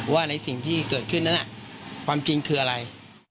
ว่าในสิ่งที่เกิดขึ้นนั้นความจริงคืออะไร